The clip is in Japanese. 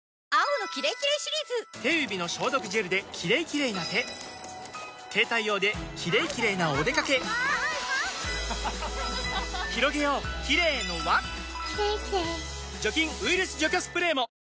手指の消毒ジェルで「キレイキレイ」な手携帯用で「キレイキレイ」なおでかけひろげようキレイの輪除菌・ウイルス除去スプレーも！